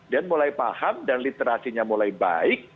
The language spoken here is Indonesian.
dan mulai paham dan literasinya mulai baik